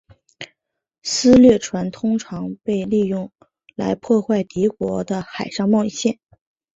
私掠船通常被利用来破坏敌国的海上贸易线。